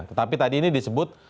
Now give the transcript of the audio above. tetapi tadi ini disebut